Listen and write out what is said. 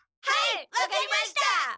はい分かりました！